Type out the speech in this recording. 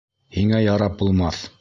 Һиңә ярап булмаҫ!..